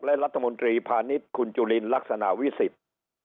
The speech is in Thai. และรัฐมนตรีพาณิชย์คุณจุลินลักษณะวิสิทธิ์